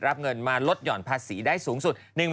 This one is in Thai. รับเงินมาลดหย่อนภาษีได้สูงสุด